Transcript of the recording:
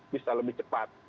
bisa lebih cepat